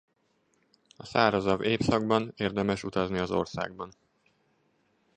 A szárazabb évszakban érdemes utazni az országban.